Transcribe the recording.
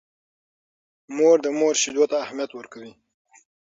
مور د مور شیدو ته اهمیت ورکوي.